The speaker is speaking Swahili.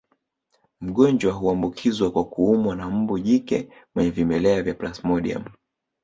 Mgonjwa huambukizwa kwa kuumwa na mbu jike mwenye vimelea vya plasmodium